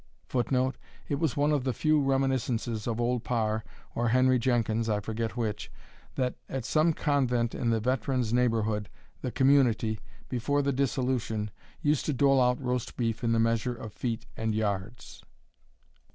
[Footnote: It was one of the few reminiscences of Old Parr, or Henry Jenkins, I forget which, that, at some convent in the veteran's neighbourhood, the community, before the dissolution, used to dole out roast beef in the measure of feet and yards.